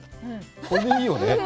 これでいいよね。